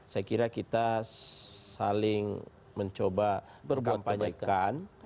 saya kira kita saling mencoba berbuat kebaikan